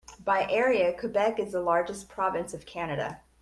By area, Quebec is the largest province of Canada.